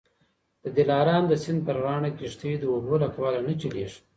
د دلارام د سیند پر غاړه کښتۍ د اوبو له کبله نه چلیږي